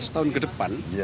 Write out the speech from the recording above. lima belas tahun ke depan